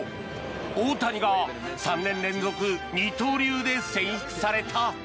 大谷が３年連続二刀流で選出された。